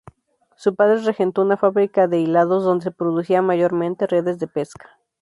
Su padre regentó una fábrica de hilados donde se producía mayormente redes de pesca.